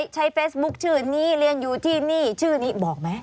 ใช้เฟซบุ๊คชื่อนี้เรียนอยู่ที่นี่ชื่อนี้บอกไหม